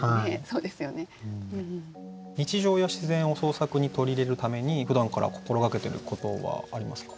日常や自然を創作に取り入れるために普段から心がけてることはありますか？